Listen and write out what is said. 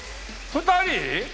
２人？